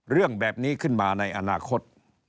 เรื่องแบบนี้ขึ้นมาในอนาคต